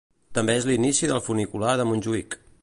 També és l'inici del funicular de Montjuïc.